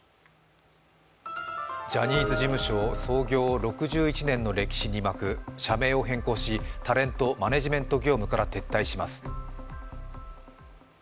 ジャニーズ事務所を創業６１年の歴史に幕社名を変更しタレントマネジメント業務から撤退します。